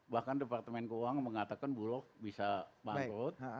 bahkan departemen keuangan mengatakan bulog bisa bangkrut